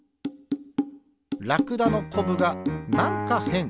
ラクダのこぶがなんかへん。